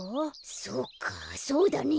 そうかそうだね。